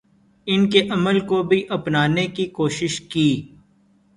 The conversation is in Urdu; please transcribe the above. ان کے عمل کو بھی اپنانے کی کوشش کی